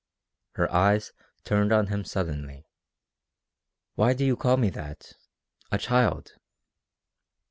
Her eyes turned on him suddenly. "Why do you call me that a child?"